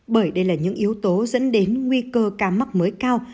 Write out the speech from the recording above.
bởi đây là những yếu tố dẫn đến nguy cơ ca mắc mới cao